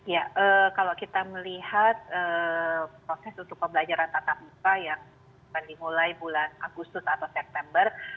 ya kalau kita melihat proses untuk pembelajaran tatap muka yang akan dimulai bulan agustus atau september